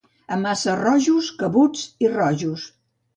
A Massarrojos, cabuts i rojos.